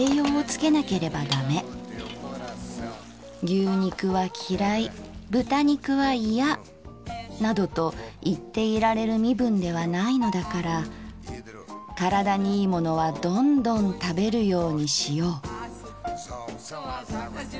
牛肉は嫌い豚肉はいや──などと言っていられる身分ではないのだから身体にいいものはどんどん食べるようにしよう」。